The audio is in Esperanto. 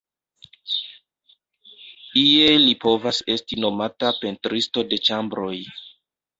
Ie li povas esti nomata pentristo de ĉambroj.